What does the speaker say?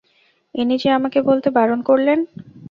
ইনি যে আমাকে বলতে বারণ করলেন।